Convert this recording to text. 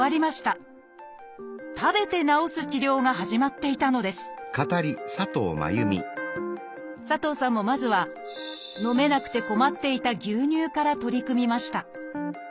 食べて治す治療が始まっていたのです佐藤さんもまずは飲めなくて困っていた牛乳から取り組みました。